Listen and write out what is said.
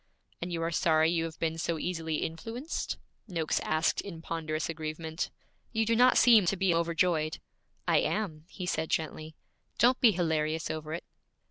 'And you are sorry you have been so easily influenced?' Noakes asked in ponderous aggrievement. 'You do not seem to be overjoyed.' 'I am,' he said gently. 'Don't be hilarious over it.'